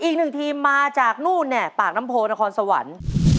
อีกหนึ่งทีมมาจากนู่นเนี่ยปากน้ำโพนครสวรรค์